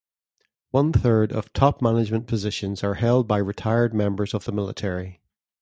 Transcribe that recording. One third of top management positions are held by retired members of the military.